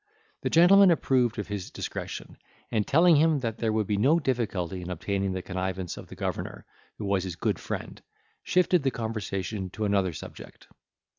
The gentleman approved of his discretion, and telling him that there would be no difficulty in obtaining the connivance of the governor, who was his good friend, shifted the conversation to another subject.